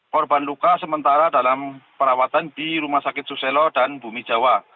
korban luka sementara dalam perawatan di rumah sakit suselo dan bumi jawa